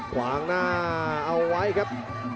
ขวางหน้าเอาไว้ครับ